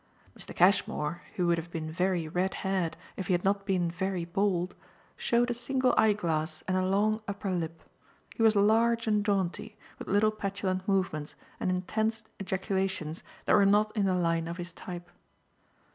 Mr. Cashmore, who would have been very red haired if he had not been very bald, showed a single eye glass and a long upper lip; he was large and jaunty, with little petulant movements and intense ejaculations that were not in the line of his type.